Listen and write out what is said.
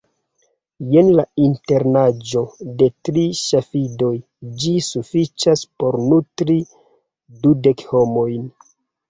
Jen la internaĵo de tri ŝafidoj: ĝi sufiĉas por nutri dudek homojn.